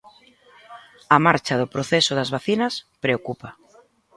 A marcha do proceso das vacinas preocupa.